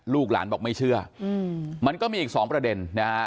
ลูกหลานบอกไม่เชื่อมันก็มีอีกสองประเด็นนะฮะ